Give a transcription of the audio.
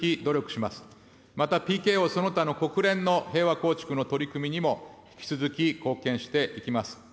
またＰＫＯその他の国連の平和構築の取り組みにも、引き続き貢献していきます。